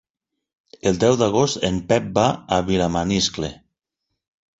El deu d'agost en Pep va a Vilamaniscle.